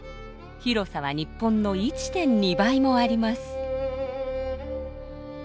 広さは日本の１．２倍もあります。